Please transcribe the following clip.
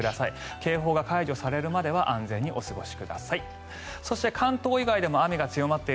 警報が解除されるまでは安全にお過ごしください。